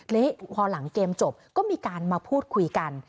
และพอหลังเกมจบก็มีการมาพูดคุยกัน